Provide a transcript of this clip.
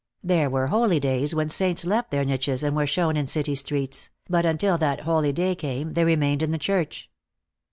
There were holy days when saints left their niches and were shown in city streets, but until that holy day came they remained in the church.